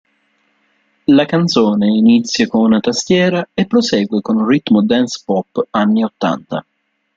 La canzone inizia con una tastiera, e prosegue con un ritmo dance-pop anni ottanta.